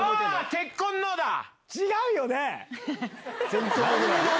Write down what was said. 違うよね？